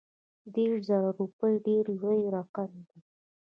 دېرش زره روپي ډېر لوی رقم دی.